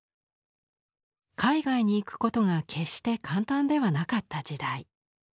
海外に行くことが決して簡単ではなかった時代。